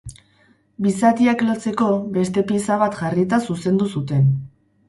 Bi zatiak lotzeko beste pieza bat jarrita zuzendu zuten.